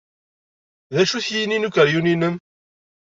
D acu-t yini n ukeryun-nnem?